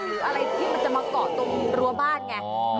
หรืออะไรที่มันจะมาเกาะตรงรั้วบ้านไง